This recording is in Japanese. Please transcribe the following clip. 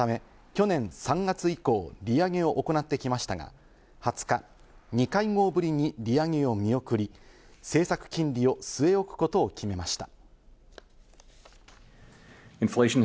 ＦＲＢは記録的なインフレを抑え込むため、去年３月以降、利上げを行ってきましたが、２０日、２会合ぶりに利上げを見送り、政策金利を据え置くことを決めました。